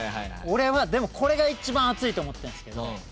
俺はでもこれが一番熱いと思ってんすけど。